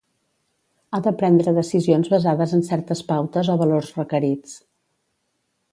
Ha de prendre decisions basades en certes pautes o valors requerits.